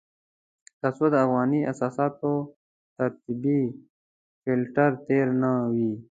تر څو د افغاني اساساتو تر طبيعي فلټر تېر نه وي.